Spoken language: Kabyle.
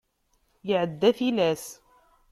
Iɛedda tilas.